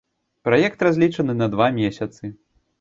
Праект разлічаны на два месяцы.